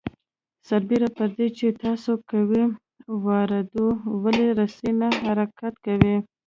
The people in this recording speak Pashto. سربېره پر دې چې تاسو قوه واردوئ ولې رسۍ حرکت نه کوي؟